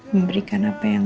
memberikan apa yang